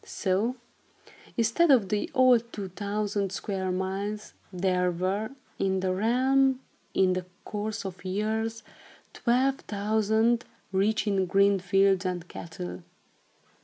So, instead of the old two thousand square miles, there were, in the realm, in the course of years, twelve thousand, rich in green fields and cattle.